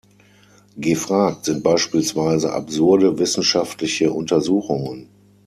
Gefragt sind beispielsweise absurde wissenschaftliche Untersuchungen.